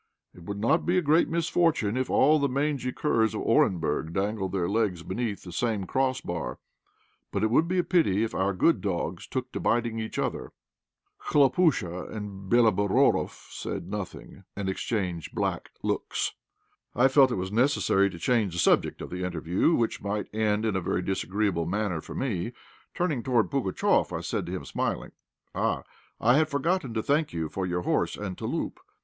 It would not be a great misfortune if all the mangy curs of Orenburg dangled their legs beneath the same cross bar, but it would be a pity if our good dogs took to biting each other." Khlopúsha and Béloborodoff said nothing, and exchanged black looks. I felt it was necessary to change the subject of the interview, which might end in a very disagreeable manner for me. Turning toward Pugatchéf, I said to him, smiling "Ah! I had forgotten to thank you for your horse and 'touloup.'